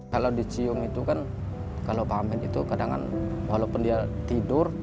kalau dicium itu kan kalau pamit itu kadangkan walaupun dia tidur